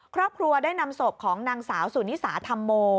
ครอบครัวได้นำศพของนางสาวสุนิสาธรรมโม